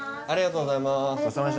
ありがとうございます。